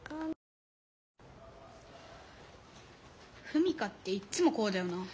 史佳っていっつもこうだよな。